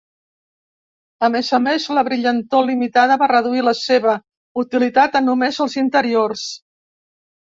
A més a més, la brillantor limitada va reduir la seva utilitat a només els interiors.